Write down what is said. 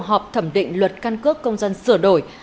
họp thẩm định luật căn cước công dân sửa đổi